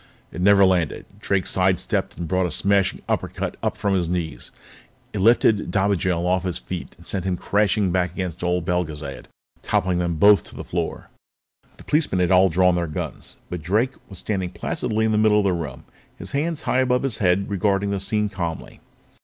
It never landed. Drake side stepped it and brought a smashing uppercut up from his knees. It lifted Dobigel off his feet and sent him crashing back against old Belgezad, toppling them both to the floor. The policemen had all drawn their guns, but Drake was standing placidly in the middle of the room, his hands high above his head regarding the scene calmly.